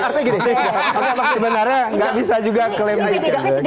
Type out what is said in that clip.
artinya gini sebenarnya tidak bisa juga klaim tiket